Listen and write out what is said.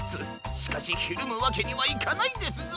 しかしひるむわけにはいかないですぞ。